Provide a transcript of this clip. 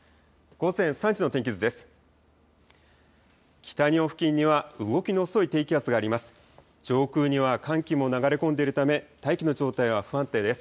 午前３時の天気図です。